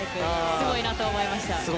すごいなと思いました。